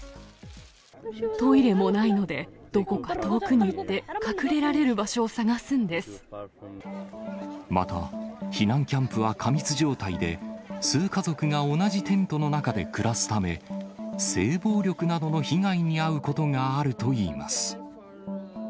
トイレもないので、どこか遠くに行って、また、避難キャンプは過密状態で、数家族が同じテントの中で暮らすため、性暴力などの被害に遭うことがあるといいます。